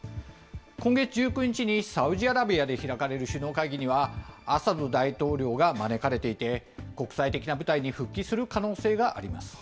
今月１９日にサウジアラビアで開かれる首脳会議には、アサド大統領が招かれていて、国際的な舞台に復帰する可能性があります。